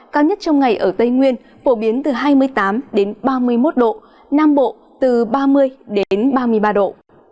cao nhất trong ngày ở tây nguyên phổ biến từ hai mươi tám đến ba mươi một độ nam bộ từ ba mươi đến ba mươi ba độ